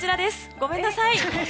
ごめんなさい！